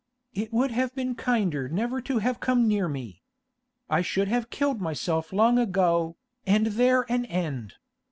It would have been kinder never to have come near me. I should have killed myself long ago, and there an end.